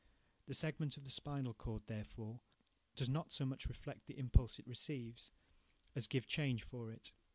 The segment of the spinal cord, therefore, does not so much reflect the impulse it receives, as give change for it.